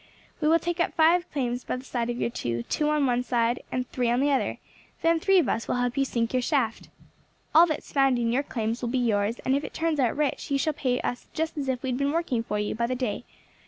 We will take up five claims by the side of your two, two on one side and three on the other; then three of us will help you sink your shaft. All that's found in your claims will be yours; and if it turns out rich you shall pay us just as if we had been working for you by the day.